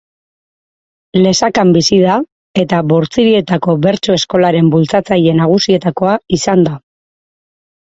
Lesakan bizi da eta Bortzirietako Bertso-Eskolaren bultzatzaile nagusietakoa izan da.